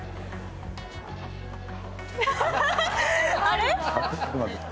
あれ？